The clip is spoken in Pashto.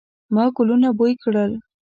ما ګلونه بوی کړل